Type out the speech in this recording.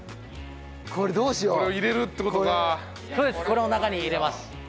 そうですこれを中に入れます。